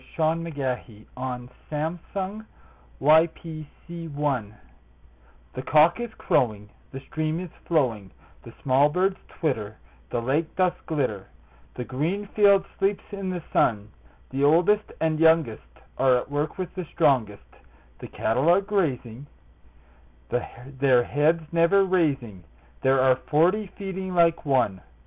William Wordsworth Written in March THE cock is crowing, The stream is flowing, The small birds twitter, The lake doth glitter The green field sleeps in the sun; The oldest and youngest Are at work with the strongest; The cattle are grazing, Their heads never raising; There are forty feeding like one!